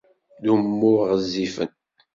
D umuɣ ɣezzifen.